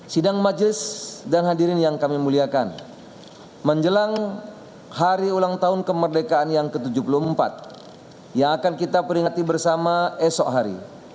sidang majelis dan hadirin yang kami muliakan menjelang hari ulang tahun kemerdekaan yang ke tujuh puluh empat yang akan kita peringati bersama esok hari